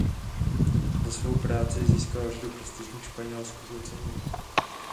Za svou práci získal řadu prestižních španělských ocenění.